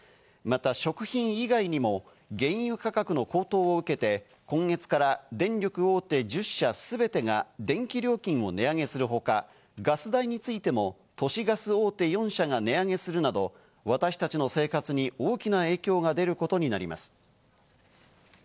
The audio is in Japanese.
また食品以外にも原油価格の高騰を受けて、今月から電力大手１０社すべてが電気料金を値上げするほか、ガス代についても都市ガス大手４社が値上げするなど、私たちの生活に大きな影響が出ることになります。